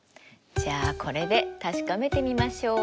じゃあこれで確かめてみましょう。